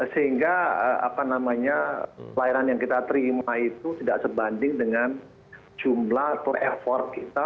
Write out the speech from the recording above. sehingga apa namanya pelayanan yang kita terima itu tidak sebanding dengan jumlah yang kita dapatkan dari negara kita